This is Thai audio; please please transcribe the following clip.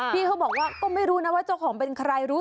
พี่เขาบอกว่าก็ไม่รู้นะว่าเจ้าของเป็นใครรู้